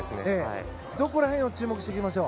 どこら辺を注目していきましょう。